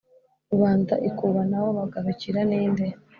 Rubanda ikubanaho bagarukira, ni nde ?"